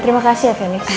terima kasih ya feni